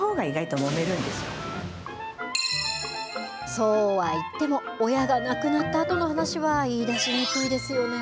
そうはいっても、親が亡くなったあとの話は、言いだしにくいですよね。